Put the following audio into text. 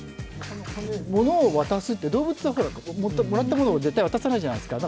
物を渡すって、動物はもらったもの渡さないじゃないですか。